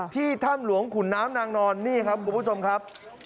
ถ้ำหลวงขุนน้ำนางนอนนี่ครับคุณผู้ชมครับ